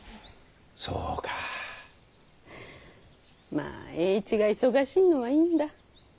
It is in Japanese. まぁ栄一が忙しいのはいいんだ。